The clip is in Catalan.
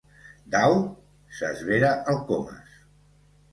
Dau? —s'esvera el Comas.